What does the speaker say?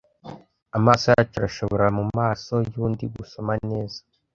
Amaso yacu arashobora mumaso yundi gusoma neza,